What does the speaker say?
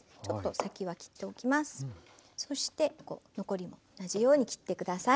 そして残りも同じように切って下さい。